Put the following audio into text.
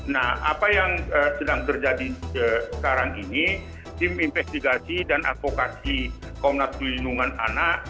nah apa yang sedang terjadi sekarang ini tim investigasi dan advokasi komnas pelindungan anak